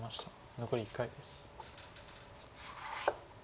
残り１回です。